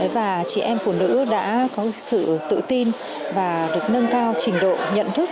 và chị em phụ nữ đã có sự tự tin và được nâng cao trình độ nhận thức